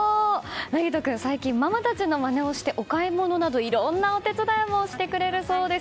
梛人君、最近ママたちのまねをしてお買い物など、いろんなお手伝いもしてくれるそうです。